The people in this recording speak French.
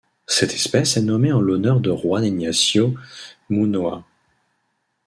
Cette espèce est nommée en l'honneur de Juan Ignacio Munoa.